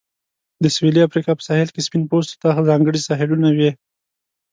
د سویلي افریقا په ساحل کې سپین پوستو ته ځانګړي ساحلونه وې.